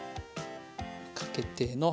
かけての。